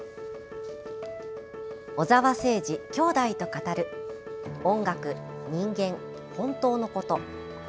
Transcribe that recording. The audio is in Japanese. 「小澤征爾、兄弟と語る音楽、人間、ほんとうのこと」。